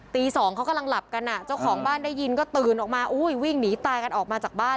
สองเขากำลังหลับกันอ่ะเจ้าของบ้านได้ยินก็ตื่นออกมาอุ้ยวิ่งหนีตายกันออกมาจากบ้าน